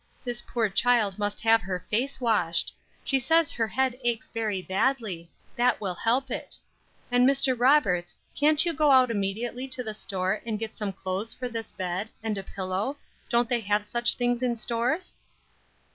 This poor child must have her face washed. She says her head aches very badly; that will help it. And Mr. Roberts, can't you go out immediately to the store and get some clothes for this bed, and a pillow, don't they have such things in stores?"